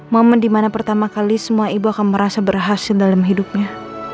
momen dimana pertama kali semua ibu akan merasa berhasil dalam hidupnya